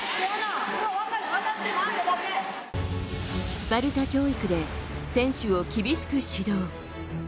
スパルタ教育で選手を厳しく指導。